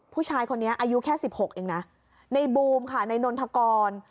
ผู้ชายคนนี้อายุแค่๑๖เองนะในโบมในนถกร